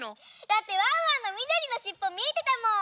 だってワンワンのみどりのしっぽみえてたもん。